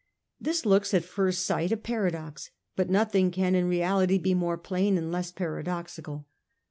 This looks at first sight a paradox; but nothing can in reality be more plain and less para doxical.